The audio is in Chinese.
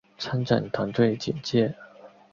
参展团队简介